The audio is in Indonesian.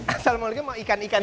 assalamualaikum ikan ikan ini